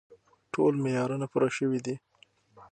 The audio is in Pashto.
ټول معیارونه پوره شوي دي.